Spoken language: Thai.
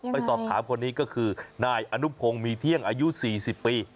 ไปสอบถามคนนี้ก็คือนายอนุพงศ์มีเที่ยงอายุ๔๐ปี